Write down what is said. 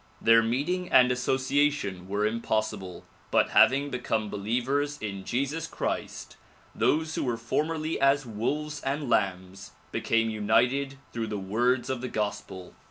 Their meeting and association were impossible, but having become believers in Jesus Christ those who were formerly as wolves and lambs became united through the words of the gospel.